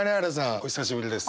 お久しぶりです。